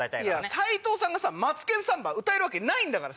斎藤さんが『マツケンサンバ』歌えるわけないんだからさ。